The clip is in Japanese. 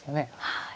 はい。